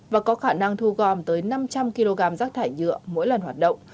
và có khả năng thu gom tới năm trăm linh kg rác thải nhựa mỗi lần hoạt động